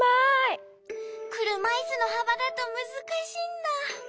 くるまいすのはばだとむずかしいんだ。